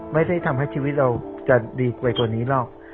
ไม่ได้ทำให้ชีวิตเราจะดีกว่านี้หรอก